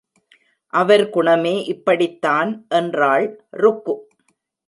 அவர் குணமே இப்படித்தான் என்றாள் ருக்கு.